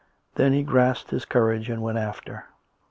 Then he grasped his courage and went after.